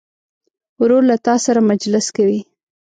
ورور له تا سره مجلس کوي.